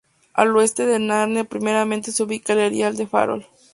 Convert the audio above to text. Al Oeste de Narnia primeramente se ubica el Erial del Farol.